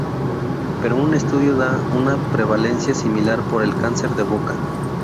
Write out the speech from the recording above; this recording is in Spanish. Pero un estudio da una prevalencia similar por el cáncer de boca.